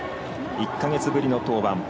１か月ぶりの登板。